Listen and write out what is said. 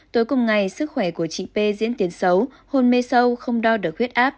tối cùng ngày sức khỏe của chị p diễn tiến xấu hôn mê sâu không đau đỡ huyết áp